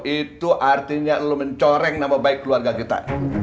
itu artinya lu mencoreng nama baik keluarganya